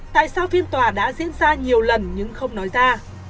tại sao phiên tòa đã diễn ra nhiều lần nhưng không nói ra